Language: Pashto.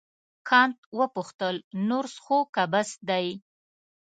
کانت وپوښتل نور څښو که بس دی.